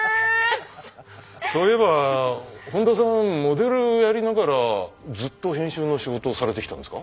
そういえば本田さんモデルやりながらずっと編集の仕事をされてきたんですか？